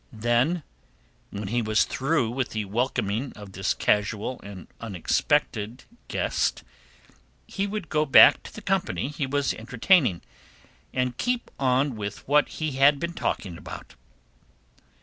Then, when he was through with the welcoming of this casual and unexpected guest, he would go back to the company he was entertaining, and keep on with what he had been talking about.